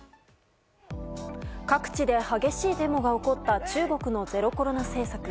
各地で激しいデモが起こった中国のゼロコロナ政策。